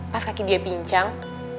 pas kakek dia bincang